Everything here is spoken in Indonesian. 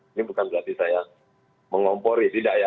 ini bukan berarti saya mengompori tidak ya